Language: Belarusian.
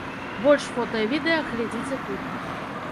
Больш фота і відэа глядзіце тут.